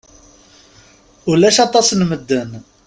Ulac aṭas n medden.